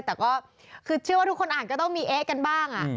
แต่ก็คือเชื่อว่าทุกคนอ่านก็ต้องมีเอ๊ะกันบ้าง